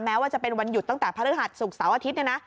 แม้ว่าจะเป็นวันหยุดตั้งแต่พระฤหัสศุกร์เสาร์อาทิตย์เนี่ยนะ